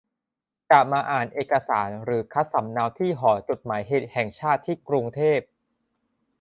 จะมาอ่านเอกสารหรือคัดสำเนาที่หอจดหมายเหตุแห่งชาติที่กรุงเทพ